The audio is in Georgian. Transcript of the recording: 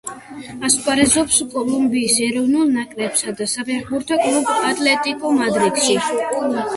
ასპარეზობს კოლუმბიის ეროვნულ ნაკრებსა და საფეხბურთო კლუბ „ატლეტიკო მადრიდში“.